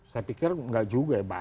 saya pikir nggak juga ya pak